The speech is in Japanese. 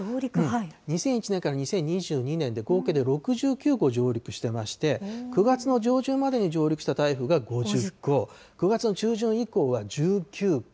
２００１年から２０２２年で合計で６９個上陸してまして、９月の上旬までに上陸した台風が５０個、９月の中旬以降は１９個。